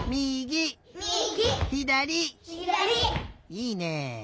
いいね！